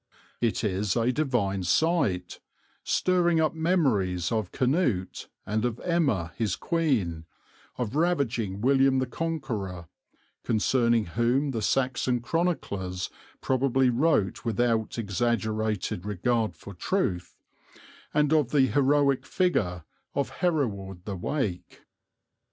It is a divine sight, stirring up memories of Canute and of Emma his Queen, of ravaging William the Conqueror (concerning whom the Saxon chroniclers probably wrote without exaggerated regard for truth) and of the heroic figure of Hereward the Wake.